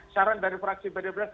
saran dari fraksi bdpr